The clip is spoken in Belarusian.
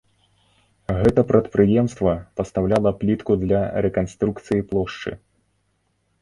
Гэта прадпрыемства пастаўляла плітку для рэканструкцыі плошчы.